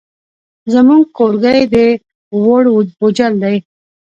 زموږ کورګی دی ووړ بوجل دی.